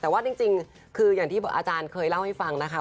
แต่ว่าจริงคืออย่างที่อาจารย์เคยเล่าให้ฟังนะคะ